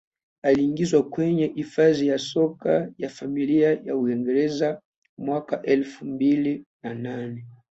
Aliingizwa kwenye Hifadhi ya Soka ya Familia ya Uingereza mwaka elfu mbili na nane